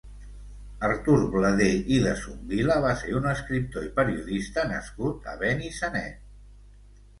Artur Bladé i Desumvila va ser un escriptor i periodista nascut a Benissanet.